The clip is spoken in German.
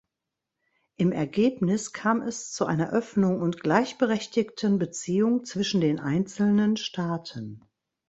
Im Ergebnis kam es zu einer Öffnung und gleichberechtigten Beziehung zwischen den einzelnen Staaten.